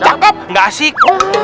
cakep gak asik